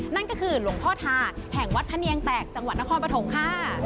นั่นก็คือหลวงพ่อทาแห่งวัดพะเนียงแตกจังหวัดนครปฐมค่ะ